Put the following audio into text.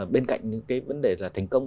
bên cạnh những cái vấn đề là thành công